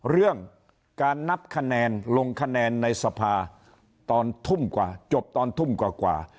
เรื่องการนับคะแนนลงคะแนนในสภาตอนทุ่มกว่าจบตอนทุ่มกว่า